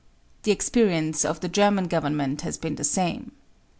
The experience of the German Government has been the same.